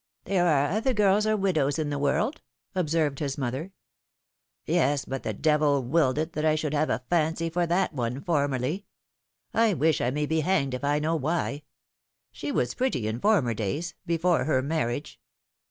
There are other girls or widows in the world,'' ob served his mother. Yes, but the devil willed it, that I should have a fancy for that one, formerly. I wish I may be hanged if I know why. She was pretty in former days — before her marriage."